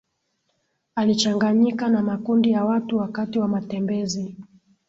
alichanganyika na makundi ya watu wakati wa matembezi